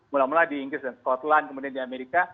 mula mula di inggris dan skotland kemudian di amerika